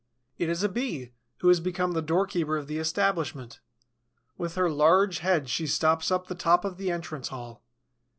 It is a Bee, who has become the doorkeeper of the establishment. With her large head she stops up the top of the entrance hall.